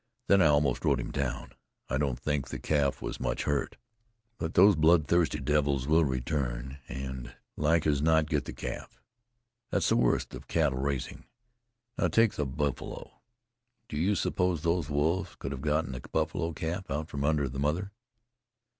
Then I almost rode him down. I don't think the calf was much hurt. But those blood thirsty devils will return, and like as not get the calf. That's the worst of cattle raising. Now, take the buffalo. Do you suppose those wolves could have gotten a buffalo calf out from under the mother?